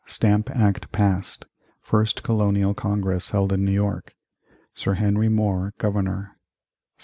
Stamp Act passed First Colonial Congress held in New York Sir Henry Moore Governor 1766.